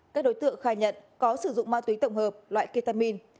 các đối tượng khai nhận có sử dụng ma túy tổng hợp loại ketamin